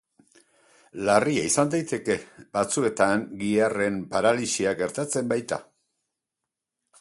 Larria izan daiteke, batzuetan giharren paralisia gertatzen baita.